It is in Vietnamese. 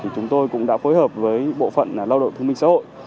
chúng tôi cũng đã phối hợp với bộ phận lao động thương minh xã hội